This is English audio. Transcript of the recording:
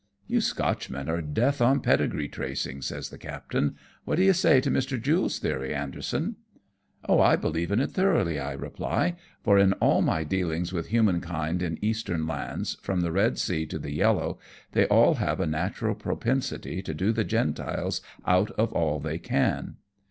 "You Scotchmen are death on pedigree tracing," says the captain. " What do you say to Mr. Jule's theory, Anderson ?" "Oh, T believe in it thoroughly," I reply, "for in all my dealings with human kind in Eastern lands, from the Eed Sea to the Yellow, they all have a natural propensity to do the Gentiles out of all they can."